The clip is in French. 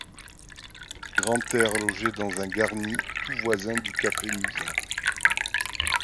Grantaire logeait dans un garni tout voisin du café Musain.